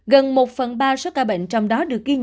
gần một phần ba số ca bệnh trong đó được chống dịch